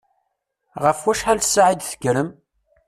Ɣef wacḥal ssaɛa i d-tekkrem?